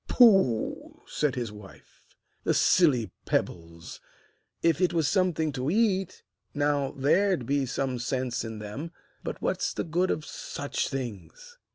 'Pooh!' said his wife, 'the silly pebbles! If it was something to eat, now, there'd be some sense in them; but what's the good of such things?'